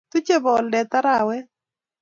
Tuchei boldet arawet